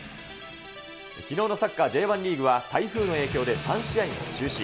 きのうのサッカーＪ１は台風の影響で３試合が中止。